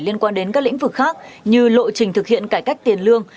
liên quan đến các lĩnh vực khác như lộ trình thực hiện cải cách tiền lương